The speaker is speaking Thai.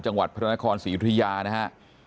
จังหวัดพระนครศรียุธยานะฮะ